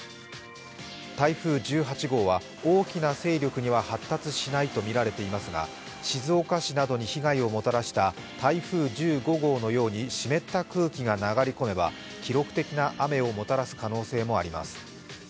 台風１８号は大きな勢力には発達しないとみられていますが静岡市などに被害をもたらした台風１５号のように湿った空気が流れ込めば記録的な雨をもたらす可能性もあります。